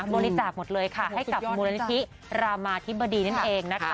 บริจาคหมดเลยค่ะให้กับมูลนิธิรามาธิบดีนั่นเองนะคะ